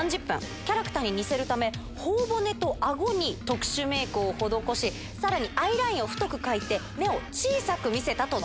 キャラクターに似せるため、ほお骨とあごに特殊メークを施し、さらにアイラインを太く描いて、小さく？